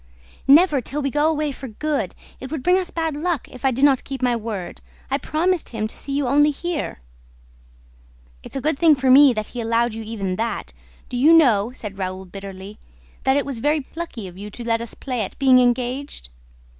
"Never, till we go away for good! It would bring us bad luck, if I did not keep my word. I promised him to see you only here." "It's a good thing for me that he allowed you even that. Do you know," said Raoul bitterly, "that it was very plucky of you to let us play at being engaged?"